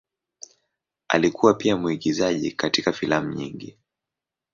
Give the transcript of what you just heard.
Alikuwa pia mwigizaji katika filamu nyingi.